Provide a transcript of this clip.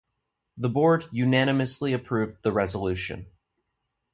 The Board unanimously approved the resolution.